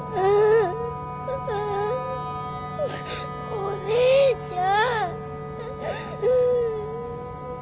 お姉ちゃん。